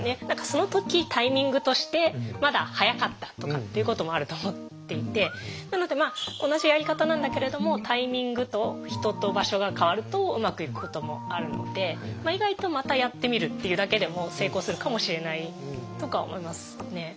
何かその時タイミングとしてまだ早かったとかっていうこともあると思っていてなのでまあ同じやり方なんだけれどもタイミングと人と場所が変わるとうまくいくこともあるのでまあ意外とまたやってみるっていうだけでも成功するかもしれないとか思いますね。